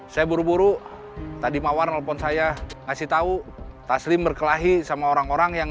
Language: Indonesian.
saya buru buru tadi mawar nelpon saya ngasih tahu taslim berkelahi sama orang orang yang